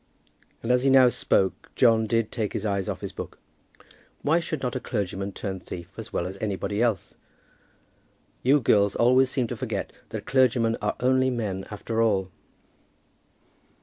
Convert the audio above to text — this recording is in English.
And as he now spoke, John did take his eyes off his book. "Why should not a clergyman turn thief as well as anybody else? You girls always seem to forget that clergymen are only men after all."